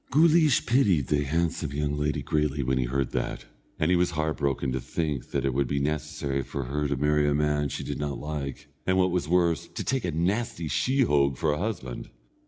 Guleesh pitied the handsome young lady greatly when he heard that, and he was heart broken to think that it would be necessary for her to marry a man she did not like, or what was worse, to take a nasty sheehogue for a husband.